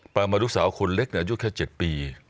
มาลูกสาวคนเล็กอายุแค่๗ปี